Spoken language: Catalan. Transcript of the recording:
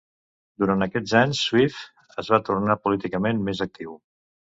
Durant aquests anys Swift es va tornar políticament més actiu.